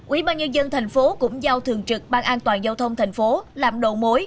ủy ban nhân dân tp hcm cũng giao thường trực ban an toàn giao thông tp hcm làm đồng mối